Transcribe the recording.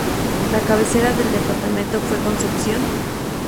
La cabecera del departamento fue Concepción.